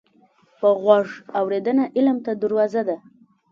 په غوږ اورېدنه علم ته دروازه ده